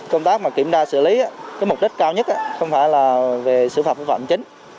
công tác mà kiểm tra xử lý cái mục đích cao nhất không phải là về xử phạt phòng chống dịch chính